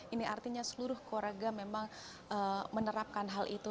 ini artinya seluruh keluarga memang menerapkan hal itu